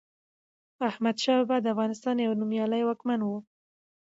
احمد شاه بابا دافغانستان يو نوميالي واکمن وه